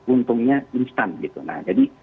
untungnya instan gitu nah jadi